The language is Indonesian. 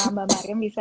mbak mariam bisa